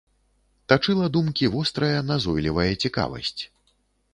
Тачыла думкі вострая назойлівая цікавасць.